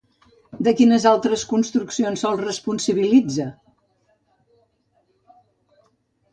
De quines altres construccions se'l responsabilitza?